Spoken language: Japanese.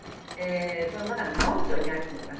まだ治ってはいないと思います。